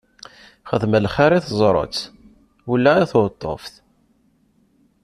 Xdem lxiṛ i teẓrut, ula i tweṭṭuft!